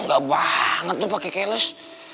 enggak banget lu pakai keles